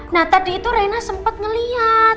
nah tadi itu reina sempat melihat